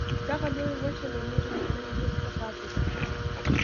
دغه لویه وچه له نورې نړۍ وروسته پاتې ده.